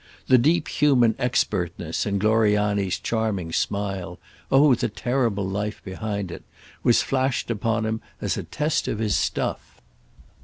The deep human expertness in Gloriani's charming smile—oh the terrible life behind it!—was flashed upon him as a test of his stuff.